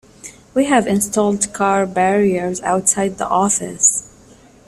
We have installed car barriers outside the office.